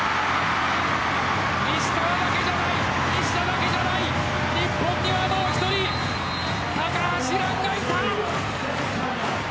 石川だけじゃない西田だけじゃない日本にはもう１人高橋藍がいた！